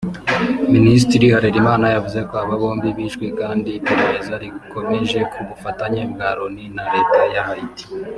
Minisitiri Harerimana yavuze ko aba bombi bishwe kandi iperereza rikomeje ku bufatanye bwa Loni na Leta ya Haiti